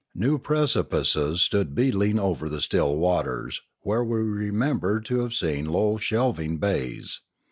New preci pices stood beetling over the still waters, where we remembered to have seen low shelving bays.